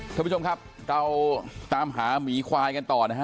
ท่านผู้ชมครับเราตามหาหมีควายกันต่อนะฮะ